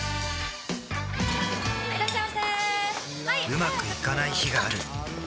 うまくいかない日があるうわ！